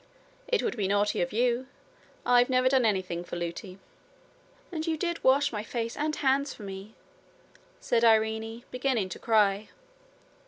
'It would be naughty of you. I've never done anything for Lootie.' 'And you did wash my face and hands for me,' said Irene, beginning to cry.